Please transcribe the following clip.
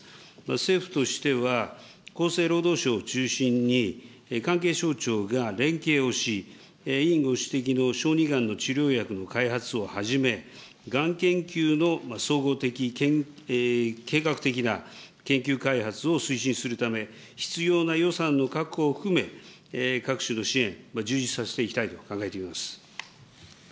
政府としては、厚生労働省を中心に、関係省庁が連携をし、委員ご指摘の小児がんの治療薬の開発をはじめ、がん研究の総合的、計画的な研究開発を推進するため、必要な予算の確保を含め、各種の支援、充実させていきたいと考えています。